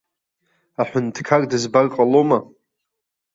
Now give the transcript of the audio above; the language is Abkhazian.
Аҳәынҭқар дызбар ҟалома?